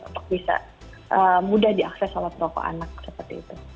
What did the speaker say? untuk bisa mudah diakses oleh perokok anak seperti itu